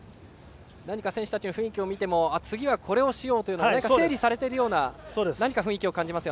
何か選手たちの雰囲気を見ても次はこれをしようと何か整理されている雰囲気を感じますね。